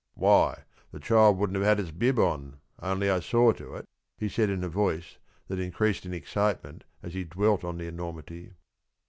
"Why, the child wouldn't have had its bib on, only I saw to it," he said, in a voice that increased in excitement as he dwelt on the enormity.